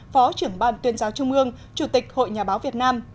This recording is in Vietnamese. phó trưởng ban tuyên giáo trung ương chủ tịch hội nhà báo việt nam